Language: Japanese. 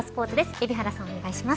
海老原さん、お願いします。